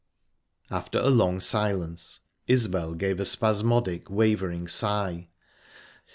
After a long silence, Isbel gave a spasmodic, wavering sigh.